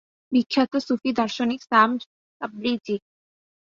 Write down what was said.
বিখ্যাত সুফি দার্শনিক শামস্ তাব্রিজী।